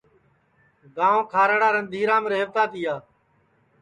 گانٚو کھارڑارندھیرام ریہوتا تِیا